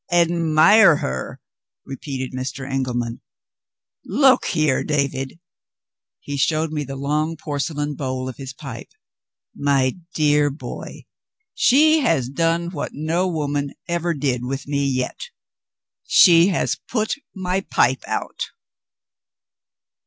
"Admire her!" repeated Mr. Engelman. "Look here, David!" He showed me the long porcelain bowl of his pipe. "My dear boy, she has done what no woman ever did with me yet she has put my pipe out!"